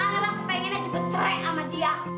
malah malah aku pengennya juga cerai sama dia